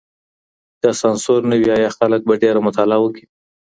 که سانسور نه وي آيا خلګ به ډېره مطالعه وکړي؟